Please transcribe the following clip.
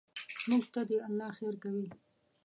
موږ ته دې الله خیر کوي.